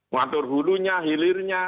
mengatur hulunya hilirnya